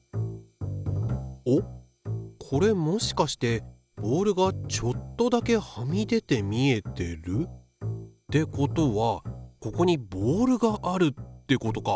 おっこれもしかしてボールがちょっとだけはみ出て見えてる？ってことはここにボールがあるってことか。